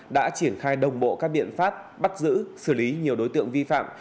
đã triển khai đồng bộ các biện pháp bắt giữ xử lý nhiều đối tượng vi phạm